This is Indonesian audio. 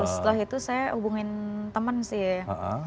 setelah itu saya hubungin teman sih